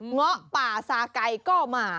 เงาะป่าซาไก่ก็มา